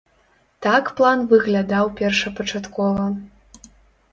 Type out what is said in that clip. Так план выглядаў першапачаткова.